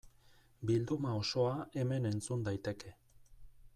Bilduma osoa hemen entzun daiteke.